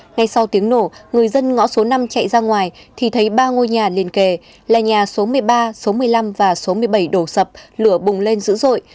ngay sau tiếng nổ người dân ngõ số năm chạy ra ngoài thì thấy ba ngôi nhà liên kề là nhà số một mươi ba số một mươi năm và số một mươi bảy đổ sập lửa bùng lên dữ dội